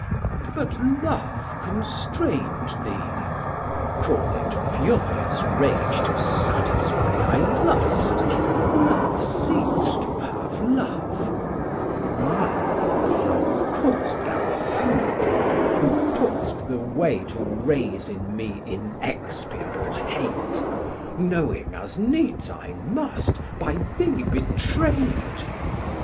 But Love constrain'd thee; call it furious rage To satisfie thy lust: Love seeks to have Love; My love how couldst thou hope, who tookst the way To raise in me inexpiable hate, Knowing, as needs I must, by thee betray'd?